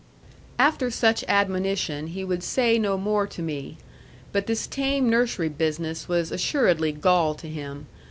After such admonition he would say no more to me. But this tame nursery business was assuredly gall to him.